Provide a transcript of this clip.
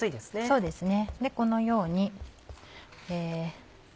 そうですね。